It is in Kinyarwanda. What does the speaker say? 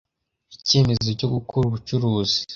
icyemezo cyo gukora ubucuruzi